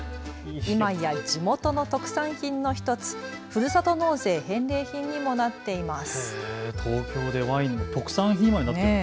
今や地元の特産品の１つ、ふるさと納税返礼品にもなっています。